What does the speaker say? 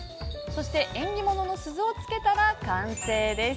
縁起物の鈴をつけたら完成。